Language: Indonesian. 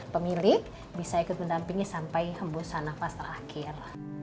pemilik bisa ikut mendampingi sampai hembusan nafas terakhir